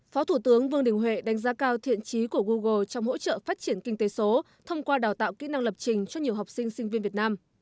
phó thủ tướng vương đình huệ đánh giá cao thiện trí của google trong hỗ trợ phát triển kinh tế số thông qua đào tạo kỹ năng lập trình cho nhiều học sinh sinh viên việt nam